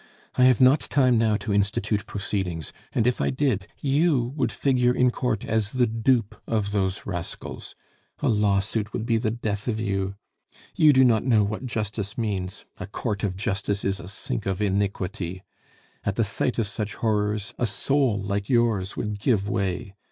I have not time now to institute proceedings; and if I did, you would figure in court as the dupe of those rascals. ... A lawsuit would be the death of you. You do not know what justice means a court of justice is a sink of iniquity.... At the sight of such horrors, a soul like yours would give way.